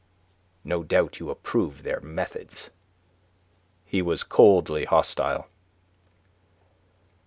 No doubt you approve their methods." He was coldly hostile.